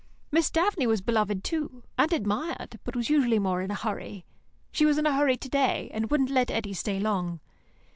Miss Daphne was beloved, too, and admired, but was usually more in a hurry. She was in a hurry to day, and wouldn't let Eddy stay long.